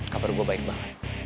kabar gue baik banget